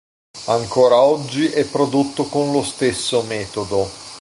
Ancora oggi è prodotto con lo stesso metodo.